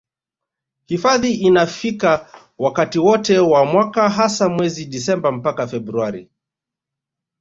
Hifadhi inafikika wakati wote wa mwaka hasa mwezi Disemba mpaka Februari